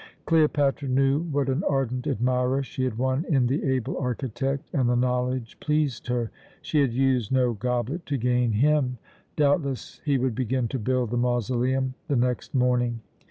Cleopatra knew what an ardent admirer she had won in the able architect, and the knowledge pleased her. She had used no goblet to gain him. Doubtless he would begin to build the mausoleum the next morning.